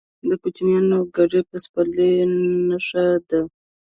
د کوچیانو کډې د پسرلي نښه ده.